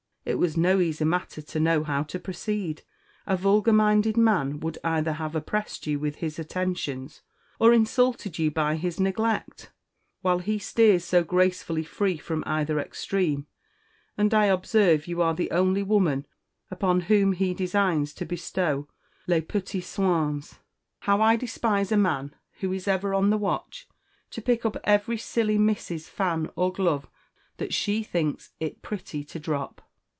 It was no easy matter to know how to proceed; a vulgar minded man would either have oppressed you with his attentions, or insulted you by his neglect, while he steers so gracefully free from either extreme; and I observe you are the only woman upon whom he designs to bestow les petits soins. How I despise a man who is ever on the watch to pick up every silly Miss's fan or glove that she thinks it pretty to drop!